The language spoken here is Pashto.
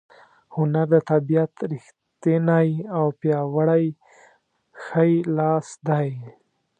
هنر د طبیعت ریښتینی او پیاوړی ښی لاس دی.